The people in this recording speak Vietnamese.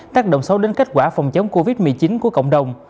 tác động sâu đến kết quả phòng chống covid một mươi chín của cộng đồng